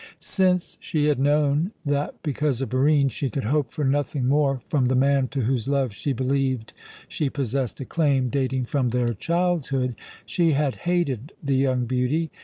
Since she had known that because of Barine she could hope for nothing more from the man to whose love she believed she possessed a claim dating from their childhood, she had hated the young beauty.